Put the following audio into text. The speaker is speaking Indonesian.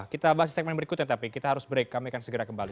kita bahas di segmen berikutnya tapi kita harus break kami akan segera kembali